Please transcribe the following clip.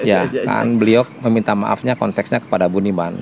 ya kan beliau meminta maafnya konteksnya kepada buniman